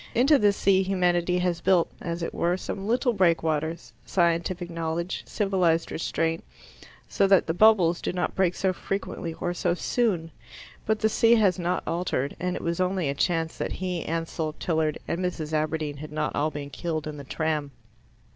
Into this sea humanity has built, as it were, some little breakwaters scientific knowledge, civilized restraint so that the bubbles do not break so frequently or so soon. But the sea has not altered, and it was only a chance that he, Ansell, Tilliard, and Mrs. Aberdeen had not all been killed in the tram.